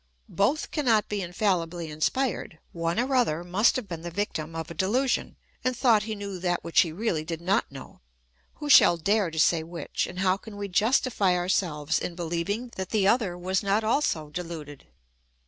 Both cannot be infaUibly inspired ; one or the other must have been the victim of a delusion, and thought he knew that which he really did not know. Who shall dare to say which ? and how can we justify ourselves in believing that the other was not also deluded